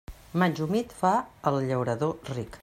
Maig humit fa al llaurador ric.